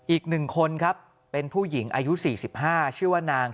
อีก๑คนครับเป็นผู้หญิงอายุ๔๕ชื่อว่านาง